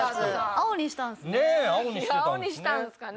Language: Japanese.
青にしたんですかね。